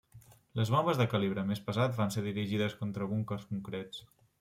Les bombes de calibre més pesat van ser dirigides contra búnquers concrets.